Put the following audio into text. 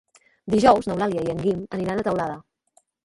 Dijous n'Eulàlia i en Guim aniran a Teulada.